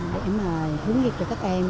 để mà hướng nghiệp cho các em